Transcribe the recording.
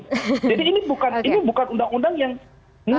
jadi ini bukan undang undang yang